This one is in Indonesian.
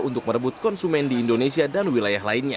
untuk merebut konsumen di indonesia dan wilayah lainnya